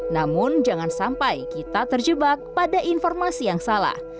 namun jangan sampai kita terjebak pada informasi yang salah